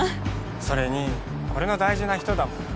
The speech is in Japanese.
それに俺の大事な人だもん。